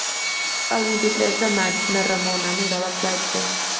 El vint-i-tres de maig na Ramona anirà a la platja.